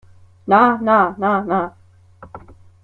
Nah, nah, nah, nah!